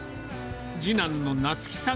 次男の夏輝さん